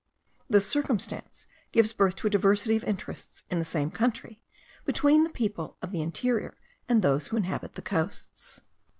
This circumstance gives birth to a diversity of interests, in the same country, between the people of the interior and those who inhabit the coasts.